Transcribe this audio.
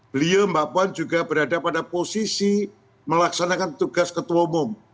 beliau mbak puan juga berada pada posisi melaksanakan tugas ketua umum